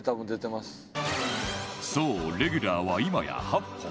そうレギュラーは今や８本